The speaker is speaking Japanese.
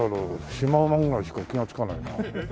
シマウマぐらいしか気がつかないな。